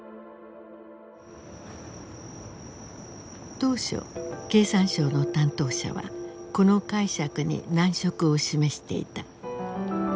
当初経産省の担当者はこの解釈に難色を示していた。